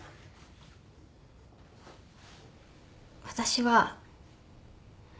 私は。